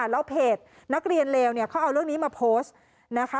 แล้วเพจนักเรียนเลวเนี่ยเขาเอาเรื่องนี้มาโพสต์นะคะ